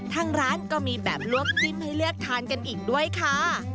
ทางร้านก็มีแบบลวกจิ้มให้เลือกทานกันอีกด้วยค่ะ